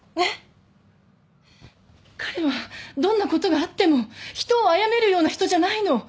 彼はどんな事があっても人をあやめるような人じゃないの。